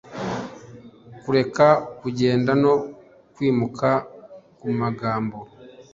kureka kugenda no kwimuka kumagambo